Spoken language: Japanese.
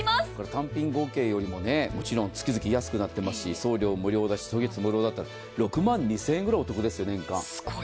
単品合計よりももちろん月々安くなっていますし送料無料だし初月無料だったら６万２０００円くらいお得じゃないですか。